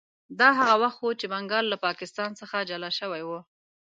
دا هغه وخت و چې بنګال له پاکستان څخه جلا شوی و.